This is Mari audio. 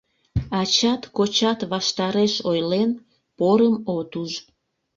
Ачат-кочат ваштареш ойлен, порым от уж.